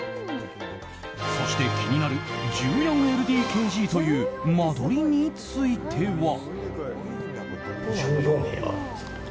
そして、気になる１４ＬＤＫＧという間取りについては。